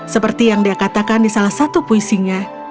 seperti yang dikatakan di salah satu puisinya